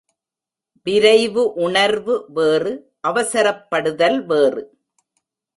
விரைவு உணர்வு வேறு அவசரப்படுதல் வேறு.